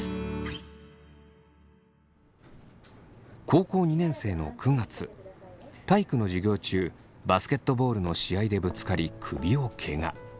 高校２年生の９月体育の授業中バスケットボールの試合でぶつかり首をけが。